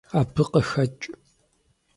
Абы къыхэкӀ.